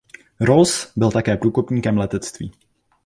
Rolls byl také průkopníkem letectví.